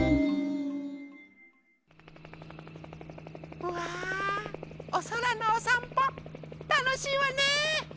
うわおそらのおさんぽたのしいわね。